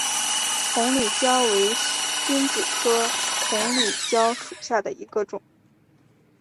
红里蕉为使君子科红里蕉属下的一个种。